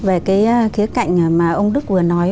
về cái khía cạnh mà ông đức vừa nói